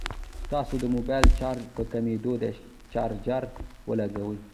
ستاسو د موبايل چارج په کميدو دی ، چارجر ولګوئ